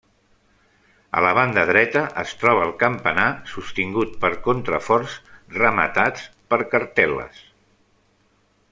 A la banda dreta es troba el campanar, sostingut per contraforts rematats per cartel·les.